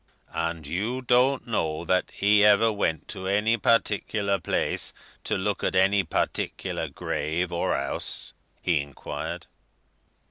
"And you don't know that he ever went to any particular place to look at any particular grave or house?" he inquired.